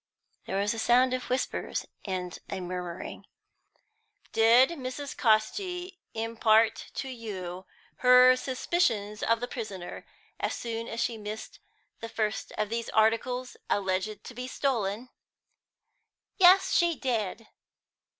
There was a sound of whispers and a murmuring. "Did Mrs. Casti impart to you her suspicions of the prisoner as soon as she missed the first of these articles alleged to be stolen?" "Yes, she did."